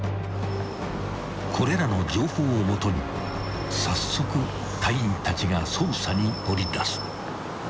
［これらの情報をもとに早速隊員たちが捜査に乗り出す］